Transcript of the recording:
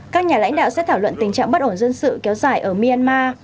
các nhà lãnh đạo sẽ thảo luận tình trạng bất ổn dân sự kéo dài ở myanmar